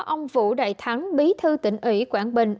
ông vũ đại thắng bí thư tỉnh ủy quảng bình